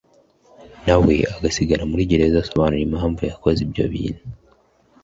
nawe agasigara muri gereza asobanura impamvu yakoze ibyo bintu